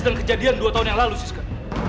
dengan kejadian dua tahun yang lalu siska